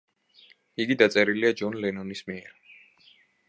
იგი დაწერილია ჯონ ლენონის მიერ.